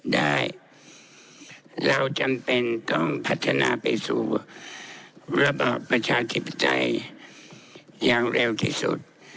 ได้เราจำเป็นต้องพัฒนาไปสู่ระบอบประชาธิปไตยอย่างเร็วที่สุด